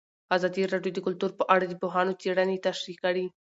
ازادي راډیو د کلتور په اړه د پوهانو څېړنې تشریح کړې.